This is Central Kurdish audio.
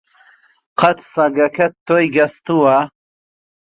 قەت سەگەکەت تۆی گەستووە؟